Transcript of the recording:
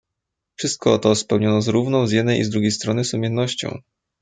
"Wszystko to spełniono z równą z jednej i drugiej strony sumiennością."